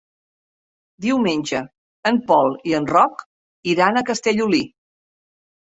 Diumenge en Pol i en Roc iran a Castellolí.